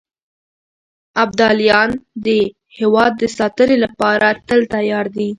ابداليان د هېواد د ساتنې لپاره تل تيار دي.